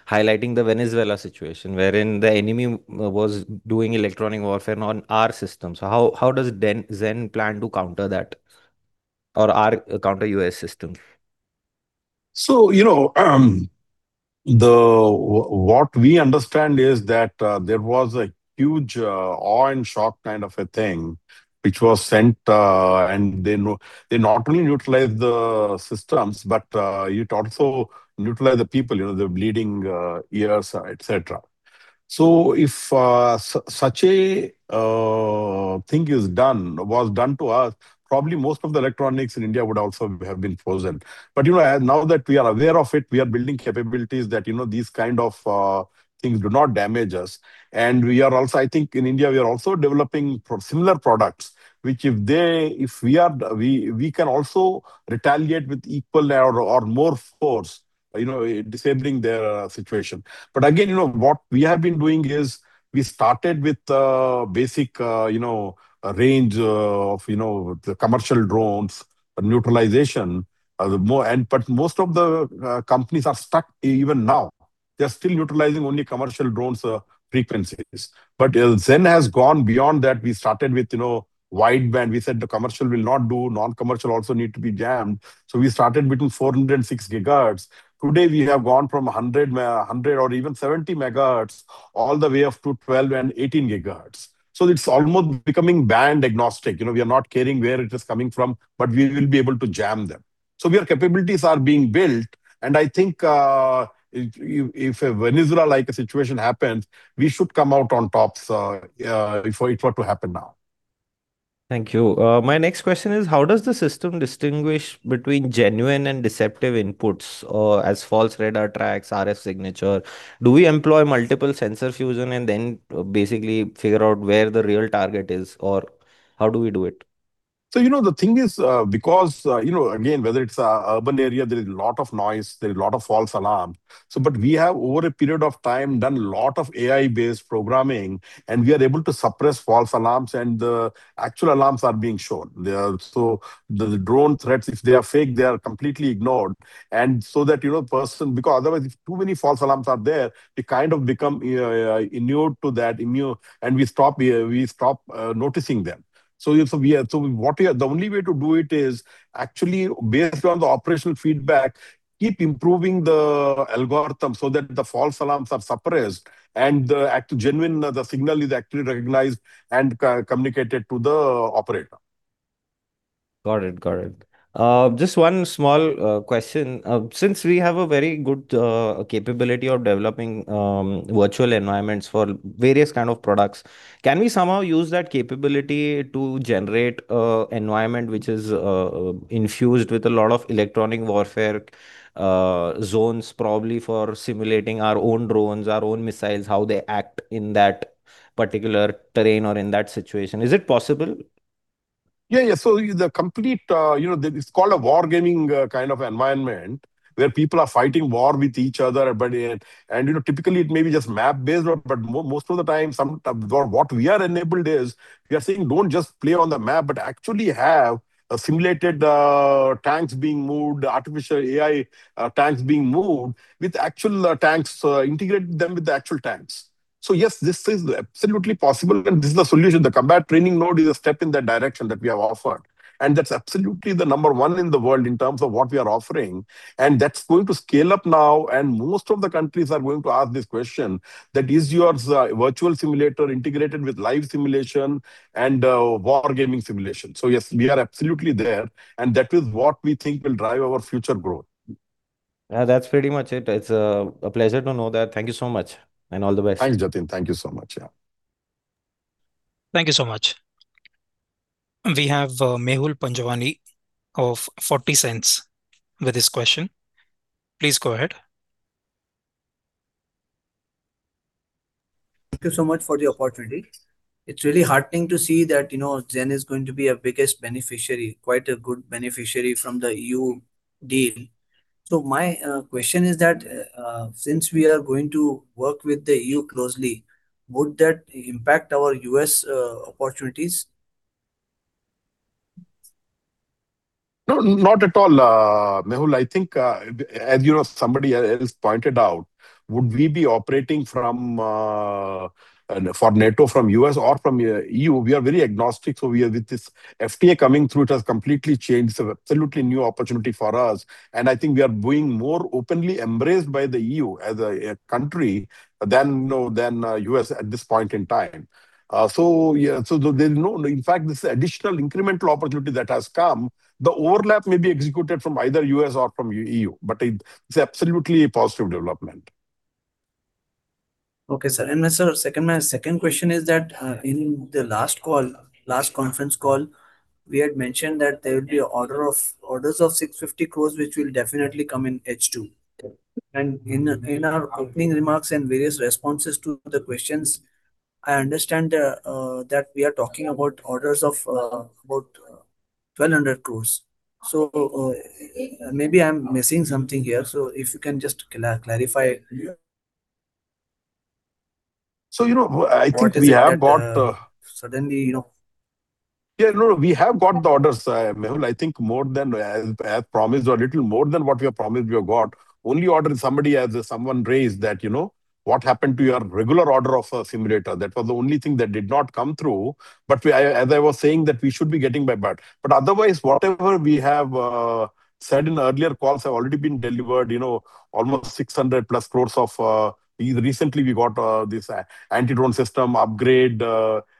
highlighting the Venezuela situation, wherein the enemy was doing electronic warfare on our system. So how does Zen plan to counter that or counter U.S. systems? So what we understand is that there was a huge awe and shock kind of a thing which was sent. And they not only neutralized the systems, but it also neutralized the people, the bleeding ears, etc. So if such a thing was done to us, probably most of the electronics in India would also have been frozen. But now that we are aware of it, we are building capabilities that these kinds of things do not damage us. And I think, in India, we are also developing similar products which, if we can also retaliate with equal or more force, disabling their situation. But again, what we have been doing is we started with the basic range of commercial drones, neutralization. But most of the companies are stuck even now. They are still neutralizing only commercial drones' frequencies. But Zen has gone beyond that. We started with wideband. We said the commercial will not do. Non-commercial also need to be jammed. We started between 400 and 6 GHz. Today, we have gone from 100 or even 70 MHz all the way up to 12 and 18 GHz. It's almost becoming band-agnostic. We are not caring where it is coming from. We will be able to jam them. Our capabilities are being built. I think, if a Venezuela-like situation happens, we should come out on top if it were to happen now. Thank you. My next question is, how does the system distinguish between genuine and deceptive inputs as false radar tracks, RF signature? Do we employ multiple sensor fusion and then basically figure out where the real target is? Or how do we do it? So the thing is, because, again, whether it's an urban area, there is a lot of noise. There is a lot of false alarms. But we have, over a period of time, done a lot of AI-based programming. And we are able to suppress false alarms. And the actual alarms are being shown. So the drone threats, if they are fake, they are completely ignored. And so that a person, because otherwise, if too many false alarms are there, you kind of become immune to that. And we stop noticing them. So the only way to do it is actually, based on the operational feedback, keep improving the algorithm so that the false alarms are suppressed and the genuine signal is actually recognized and communicated to the operator. Got it. Got it. Just one small question. Since we have a very good capability of developing virtual environments for various kinds of products, can we somehow use that capability to generate an environment which is infused with a lot of electronic warfare zones, probably for simulating our own drones, our own missiles, how they act in that particular terrain or in that situation? Is it possible? Yeah. Yeah. So it's called a war gaming kind of environment where people are fighting war with each other. And typically, it may be just map-based. But most of the time, what we are enabled is we are saying, don't just play on the map, but actually have simulated tanks being moved, artificial AI tanks being moved with actual tanks, integrating them with the actual tanks. So yes, this is absolutely possible. And this is the solution. The Combat Training Node is a step in that direction that we have offered. And that's absolutely the number one in the world in terms of what we are offering. And that's going to scale up now. And most of the countries are going to ask this question that, is your virtual simulator integrated with live simulation and war gaming simulation? So yes, we are absolutely there. That is what we think will drive our future growth. Yeah. That's pretty much it. It's a pleasure to know that. Thank you so much. All the best. Thanks, Jatin. Thank you so much. Yeah. Thank you so much. We have Mehul Panjwani of 40 Cents with his question. Please go ahead. Thank you so much for the opportunity. It's really heartening to see that Zen is going to be a biggest beneficiary, quite a good beneficiary from the EU deal. My question is that, since we are going to work with the EU closely, would that impact our U.S. opportunities? Not at all, Mehul. I think, as somebody else pointed out, would we be operating for NATO from the U.S. or from the E.U.? We are very agnostic. So with this FTA coming through, it has completely changed. The absolutely new opportunity for us. And I think we are being more openly embraced by the E.U. as a country than the U.S. at this point in time. So in fact, this is an additional incremental opportunity that has come. The overlap may be executed from either the U.S. or from the E.U. But it's absolutely a positive development. Okay, sir. Sir, my second question is that, in the last conference call, we had mentioned that there will be orders of 650 crore, which will definitely come in H2. In our opening remarks and various responses to the questions, I understand that we are talking about orders about 1,200 crore. So maybe I'm missing something here. So if you can just clarify. I think we have got. What orders have you got? Suddenly. Yeah. No, no. We have got the orders, Mehul. I think more than as promised or a little more than what we have promised we have got. The only order somebody has raised is that, what happened to your regular order of a simulator? That was the only thing that did not come through. But as I was saying, that we should be getting by end. But otherwise, whatever we have said in earlier calls have already been delivered, almost 600+ crores recently, we got this anti-drone system upgrade,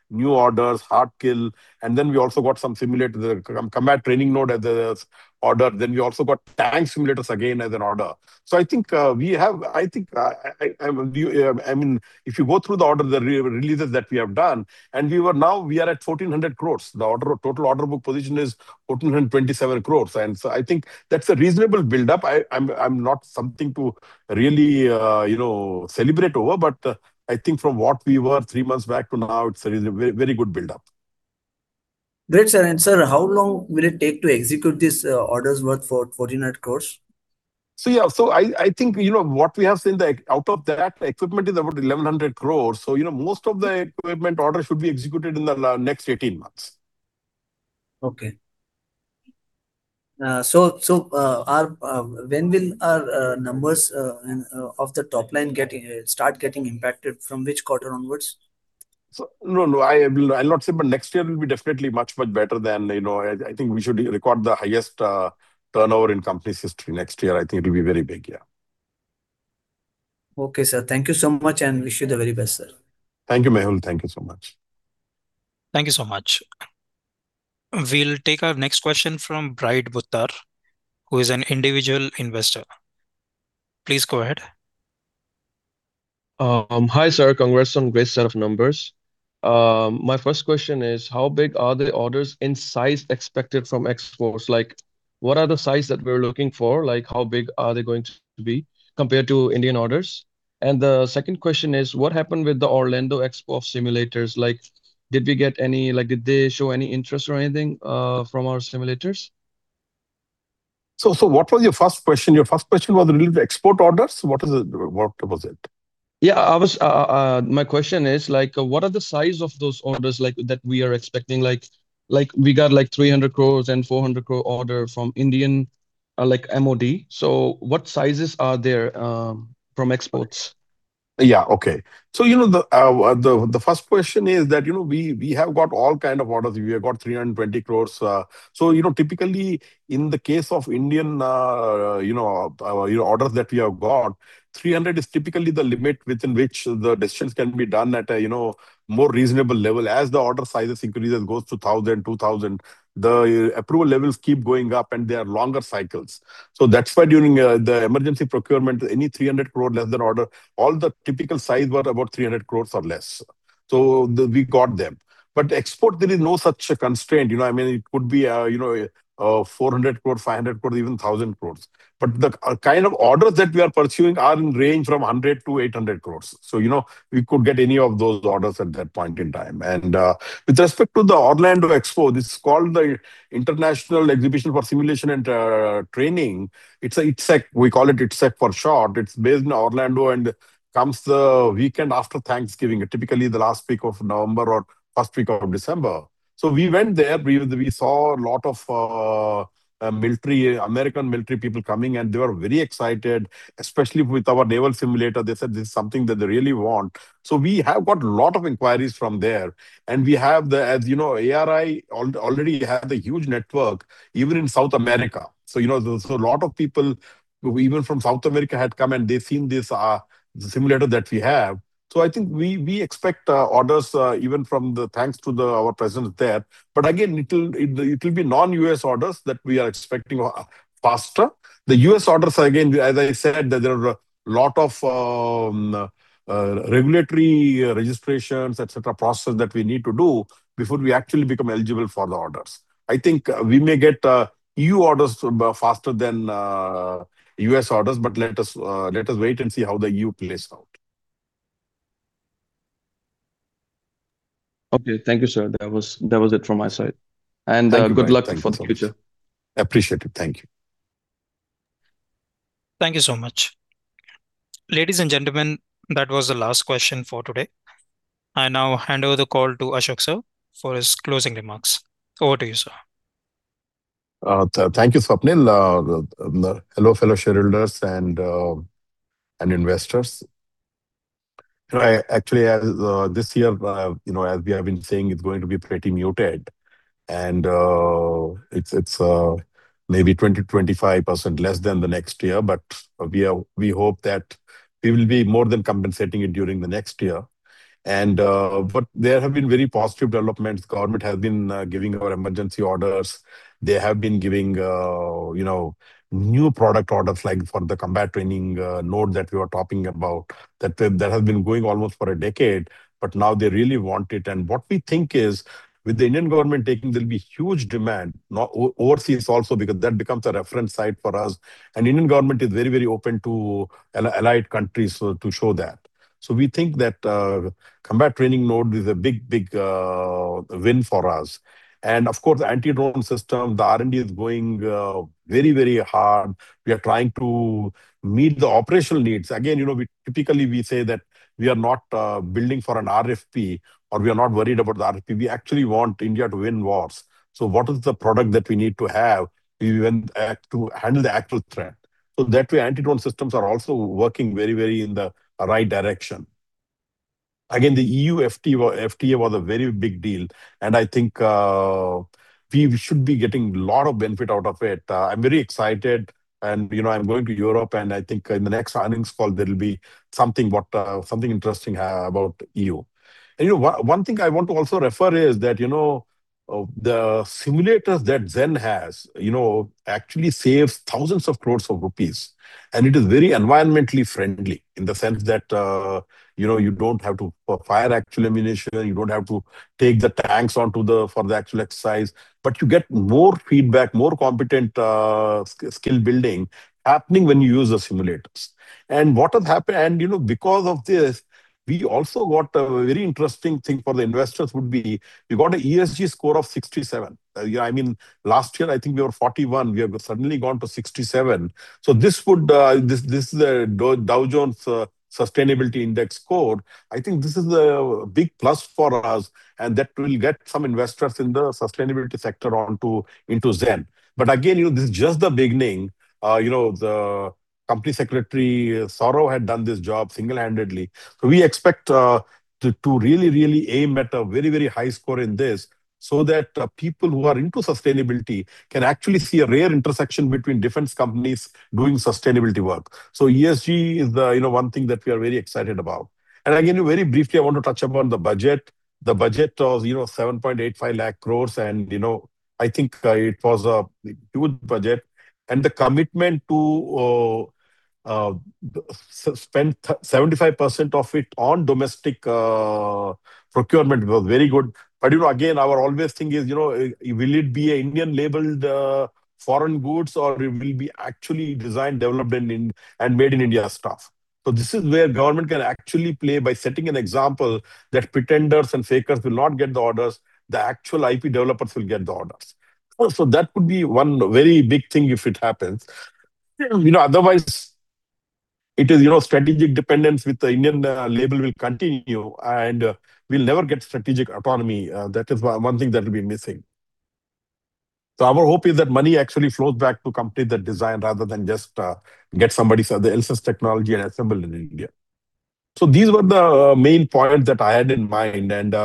new orders, hard kill. And then we also got some combat training node as an order. Then we also got tank simulators again as an order. So I think we have I mean, if you go through the order of the releases that we have done, and now we are at 1,400 crores. The total order book position is 1,427 crores. So I think that's a reasonable buildup. I'm not something to really celebrate over. I think, from what we were three months back to now, it's a very good buildup. Great, sir. And sir, how long will it take to execute these orders worth for 1,400 crore? Yeah. So I think what we have seen, out of that, the equipment is about 1,100 crores. So most of the equipment orders should be executed in the next 18 months. Okay. When will our numbers of the top line start getting impacted, from which quarter onwards? No, no. I'll not say. But next year will be definitely much, much better than I think. We should record the highest turnover in the company's history next year. I think it will be very big. Yeah. Okay, sir. Thank you so much. And wish you the very best, sir. Thank you, Mehul. Thank you so much. Thank you so much. We'll take our next question from Bharat Bhutda, who is an individual investor. Please go ahead. Hi, sir. Congrats on great set of numbers. My first question is, how big are the orders in size expected from exports? What are the sizes that we're looking for? How big are they going to be compared to Indian orders? And the second question is, what happened with the Orlando Expo of simulators? Did we get any? Did they show any interest or anything from our simulators? What was your first question? Your first question was related to export orders. What was it? Yeah. My question is, what are the sizes of those orders that we are expecting? We got like 300 crore and 400 crore orders from Indian MOD. So what sizes are there from exports? Yeah. Okay. So the first question is that we have got all kinds of orders. We have got 320 crore. So typically, in the case of Indian orders that we have got, 300 crore is typically the limit within which the decisions can be done at a more reasonable level. As the order sizes increase, it goes to 1,000 crore, 2,000 crore. The approval levels keep going up. And they are longer cycles. So that's why, during the emergency procurement, any 300 crores less than order, all the typical sizes were about 300 crore or less. So we got them. But export, there is no such constraint. I mean, it could be 400 crore, 500 crore, even 1,000 crore. But the kind of orders that we are pursuing are in the range from 100 crore-800 crore. So we could get any of those orders at that point in time. With respect to the Orlando Expo, this is called the International Exhibition for Simulation and Training. We call it I/ITSEC for short. It's based in Orlando. It comes the weekend after Thanksgiving, typically the last week of November or first week of December. So we went there. We saw a lot of American military people coming. They were very excited, especially with our naval simulator. They said, this is something that they really want. So we have got a lot of inquiries from there. We have, as you know, ARI already has a huge network, even in South America. So a lot of people, even from South America, had come. They've seen this simulator that we have. So I think we expect orders even thanks to our presence there. But again, it will be non-U.S. orders that we are expecting faster. The U.S. orders, again, as I said, there are a lot of regulatory registrations, etc., processes that we need to do before we actually become eligible for the orders. I think we may get E.U. orders faster than U.S. orders. But let us wait and see how the E.U. plays out. Okay. Thank you, sir. That was it from my side. Good luck for the future. Appreciate it. Thank you. Thank you so much. Ladies and gentlemen, that was the last question for today. I now hand over the call to Ashok sir for his closing remarks. Over to you, sir. Thank you, Swapnil. Hello, fellow shareholders and investors. Actually, this year, as we have been saying, it's going to be pretty muted. It's maybe 20%-25% less than the next year. We hope that we will be more than compensating it during the next year. There have been very positive developments. The government has been giving our emergency orders. They have been giving new product orders, like for the combat training node that we were talking about, that has been going almost for a decade. But now, they really want it. What we think is, with the Indian government taking, there will be huge demand overseas also, because that becomes a reference site for us. The Indian government is very, very open to allied countries to show that. We think that the combat training node is a big, big win for us. Of course, the anti-drone system, the R&D is going very, very hard. We are trying to meet the operational needs. Again, typically, we say that we are not building for an RFP, or we are not worried about the RFP. We actually want India to win wars. So what is the product that we need to have to handle the actual threat? So that way, anti-drone systems are also working very, very in the right direction. Again, the EU FTA was a very big deal. And I think we should be getting a lot of benefit out of it. I'm very excited. And I'm going to Europe. And I think, in the next earnings call, there will be something interesting about the EU. And one thing I want to also refer to is that the simulators that Zen has actually save thousands of crores rupees. It is very environmentally friendly in the sense that you don't have to fire actual ammunition. You don't have to take the tanks onto the field for the actual exercise. But you get more feedback, more competent skill building happening when you use the simulators. Because of this, we also got a very interesting thing for the investors would be we got an ESG score of 67. I mean, last year, I think we were 41. We have suddenly gone to 67. So this is the Dow Jones Sustainability Index score. I think this is a big plus for us. And that will get some investors in the sustainability sector into Zen. But again, this is just the beginning. The company secretary, Saurav, had done this job single-handedly. So we expect to really, really aim at a very, very high score in this so that people who are into sustainability can actually see a rare intersection between defense companies doing sustainability work. So ESG is one thing that we are very excited about. And again, very briefly, I want to touch upon the budget. The budget was 785,000 crore. And I think it was a good budget. And the commitment to spend 75% of it on domestic procurement was very good. But again, our always thing is, will it be Indian-labeled foreign goods, or it will be actually designed, developed, and made in India stuff? So this is where government can actually play by setting an example that pretenders and fakers will not get the orders. The actual IP developers will get the orders. So that could be one very big thing if it happens. Otherwise, it is strategic dependence, which the Indian label will continue. We'll never get strategic autonomy. That is one thing that will be missing. Our hope is that money actually flows back to companies that design rather than just get somebody else's technology and assemble it in India. These were the main points that I had in mind.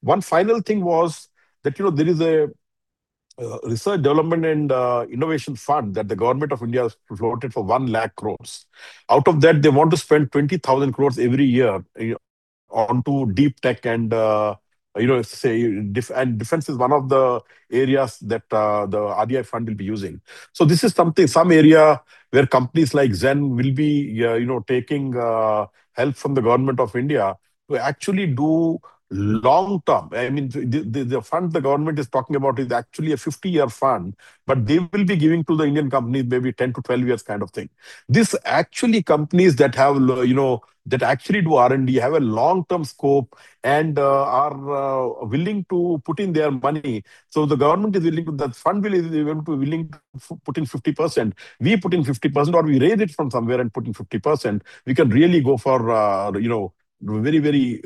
One final thing was that there is a Research Development and Innovation Fund that the government of India has allotted for 100,000 crore. Out of that, they want to spend 20,000 crore every year onto Deep Tech. Defense is one of the areas that the RDI Fund will be using. This is some area where companies like Zen will be taking help from the government of India to actually do long-term. I mean, the fund the government is talking about is actually a 50-year fund. But they will be giving to the Indian companies maybe 10-1two years kind of thing. These actually companies that actually do R&D have a long-term scope and are willing to put in their money. So the government is willing to that fund will be willing to put in 50%. We put in 50%, or we raise it from somewhere and put in 50%. We can really go for very, very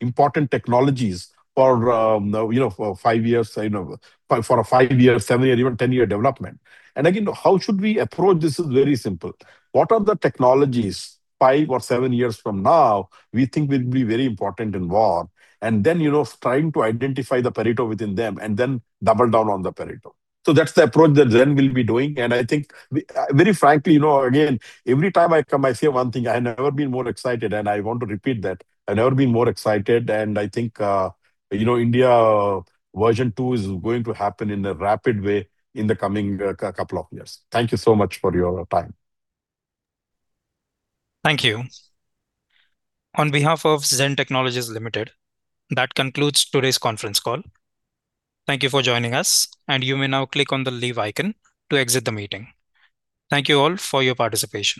important technologies for five years, for a five-year, seven-year, even 10-year development. And again, how should we approach this? It's very simple. What are the technologies five or seven years from now we think will be very important in war? And then trying to identify the Pareto within them and then double down on the Pareto. So that's the approach that Zen will be doing. I think, very frankly, again, every time I come, I say one thing. I have never been more excited. I want to repeat that. I've never been more excited. I think India version 2 is going to happen in a rapid way in the coming couple of years. Thank you so much for your time. Thank you. On behalf of Zen Technologies Limited, that concludes today's conference call. Thank you for joining us. You may now click on the Leave icon to exit the meeting. Thank you all for your participation.